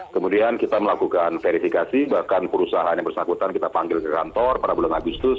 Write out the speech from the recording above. kemudian kita melakukan verifikasi bahkan perusahaan yang bersangkutan kita panggil ke kantor pada bulan agustus